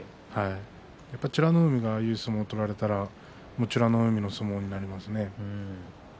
やっぱり美ノ海にああいう相撲を取られたら美ノ海の相撲になりますね。